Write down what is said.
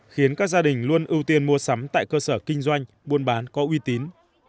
khiến các gia đình luôn ưu tiên mua sắm tại cơ sở kinh doanh buôn bán có uy tín